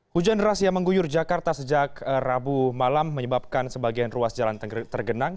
hujan deras yang mengguyur jakarta sejak rabu malam menyebabkan sebagian ruas jalan tergenang